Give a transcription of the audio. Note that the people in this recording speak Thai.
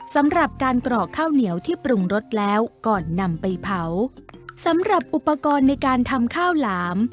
สำหรับการกรอกข้าวเหนียวที่ปรุงรสแล้วก่อนนำไปเผาสำหรับอุปกรณ์ในการทำข้าวหลาม